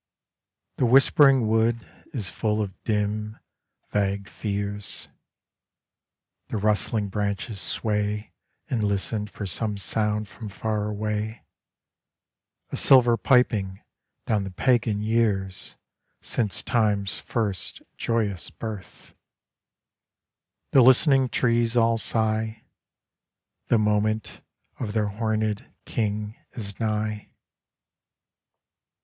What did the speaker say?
The whispering wood is full of dim, vague fears. The rustling branches sway And listen for some sound from far away — A silver piping down the pagan years Since Time 's first joyous birth — The listening trees all sigh, The moment of their horned king is nigh. 13 Metamorphosis.